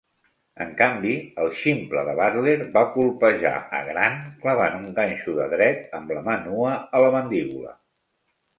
En canvi, el ximple de Butler va colpejar a Grant, clavant un ganxo dret amb la mà nua a la mandíbula.